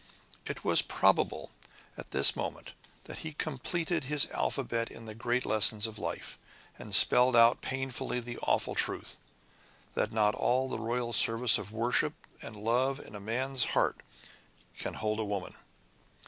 It was probable at this moment that he completed his alphabet in the great lesson of life and spelled out painfully the awful truth, that not all the royal service of worship and love in a man's heart can hold a woman.